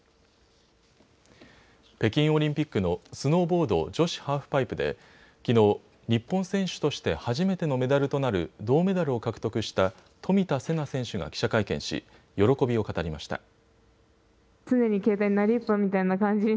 北京オリンピックのスノーボード女子ハーフパイプできのう、日本選手として初めてのメダルとなる銅メダルを獲得した冨田せな選手が記者会見し喜びを語りました。